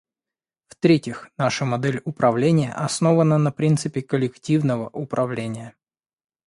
В-третьих, наша модель управления основана на принципе коллективного управления.